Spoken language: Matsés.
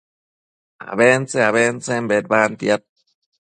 abentse-abentsen bedbantiad